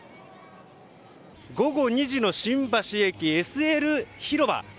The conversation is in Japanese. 午後２時の新橋駅ＳＬ広場。